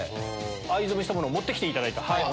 藍染めしたものを持って来ていただいた。